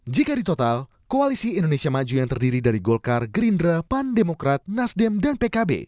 jika di total koalisi indonesia maju yang terdiri dari golkar gerindra pan demokrat nasdem dan pkb